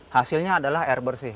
hasilnya adalah air bersih